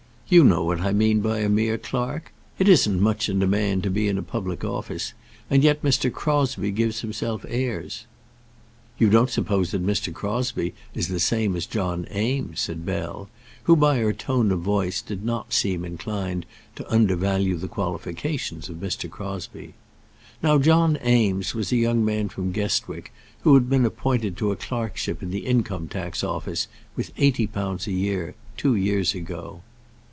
You know what I mean by a mere clerk? It isn't much in a man to be in a public office, and yet Mr. Crosbie gives himself airs." "You don't suppose that Mr. Crosbie is the same as John Eames," said Bell, who, by her tone of voice, did not seem inclined to undervalue the qualifications of Mr. Crosbie. Now John Eames was a young man from Guestwick, who had been appointed to a clerkship in the Income tax Office, with eighty pounds a year, two years ago.